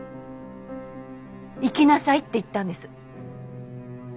行きなさいって言ったんです。